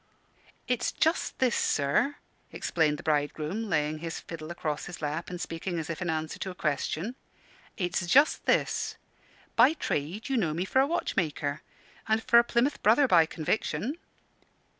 "It's just this, sir," explained the bridegroom, laying his fiddle across his lap, and speaking as if in answer to a question: "it's just this: by trade you know me for a watchmaker, and for a Plymouth Brother by conviction.